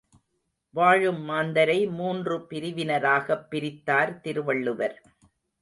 வாழும் மாந்தரை மூன்று பிரிவினராகப் பிரித்தார் திருவள்ளுவர்.